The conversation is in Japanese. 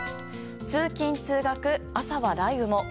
通勤・通学、朝は雷雨も。